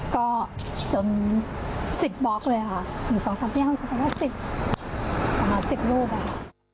ก็จน๑๐บล็อกเลยค่ะ๑๒๓๔๕จะไปวาด๑๐ลูกเลยค่ะ